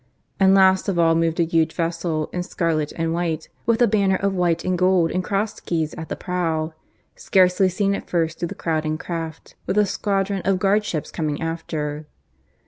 And last of all moved a huge vessel, in scarlet and white, with a banner of white and gold and cross keys at the prow; scarcely seen at first through the crowding craft, with a squadron of guard ships coming after.